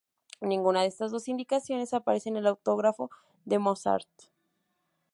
Ninguna de estas dos indicaciones aparece en el autógrafo de Mozart.